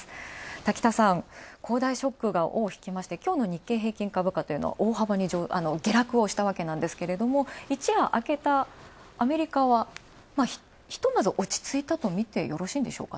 滝田さん、恒大ショックが尾をひいて今日の日経平均株価は大幅に下落をしましたが一夜明けたアメリカはひとまず落ち着いたとみてよろしいんでしょうか？